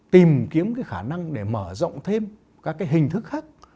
tìm kiếm khả năng để mở rộng thêm các hình thức khác